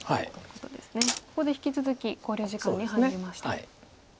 ここで引き続き考慮時間に入りました。